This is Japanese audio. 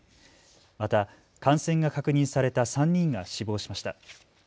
また感染が確認された３人が死亡しました。